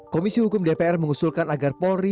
komisi hukum dpr mengusulkan agar polri